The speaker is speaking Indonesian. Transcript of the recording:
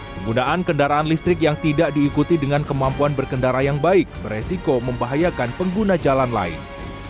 penggunaan kendaraan listrik yang tidak diikuti dengan kemampuan berkendara yang baik beresiko membahayakan pengguna jalan lain